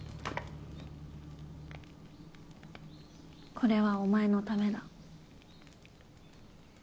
「これはお前のためだ」